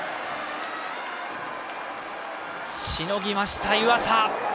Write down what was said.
しのぎました、湯浅。